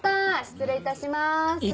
失礼いたします。